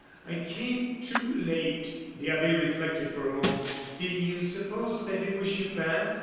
I came too late!" The abbe reflected for a moment. "Then you suppose that it was Chupin?"